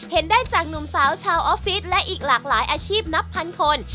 เห็นได้จากหนุ่มสาวชาวออฟฟิศและอีกหลากหลายอาชีพนับพันคน